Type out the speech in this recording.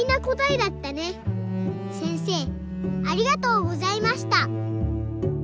せんせいありがとうございました。